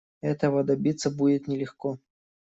Этого добиться будет нелегко.